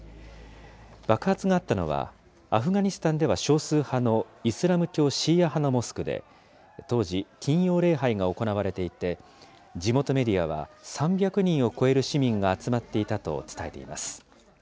爆発があったのは、アフガニスタンでは少数派のイスラム教シーア派のモスクで、当時、金曜礼拝が行われていて、地元メディアは３００人を超える市民が集まっていたと伝えています。